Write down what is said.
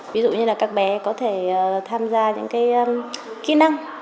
ví dụ như là các bé có thể tham gia những cái kỹ năng